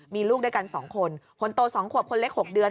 มีลูกด้วยกัน๒คนคนโต๒ขวบคนเล็ก๖เดือน